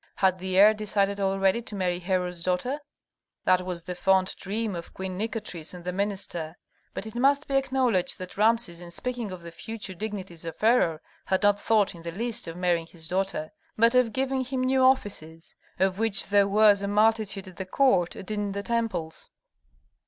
Had the heir decided already to marry Herhor's daughter? That was the fond dream of Queen Nikotris and the minister. But it must be acknowledged that Rameses in speaking of the future dignities of Herhor had not thought in the least of marrying his daughter, but of giving him new offices, of which there was a multitude at the court and in the temples.